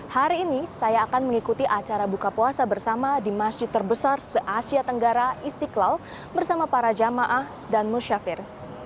hari ini saya akan mengikuti acara buka puasa bersama di masjid terbesar se asia tenggara istiqlal bersama para jamaah dan musyafir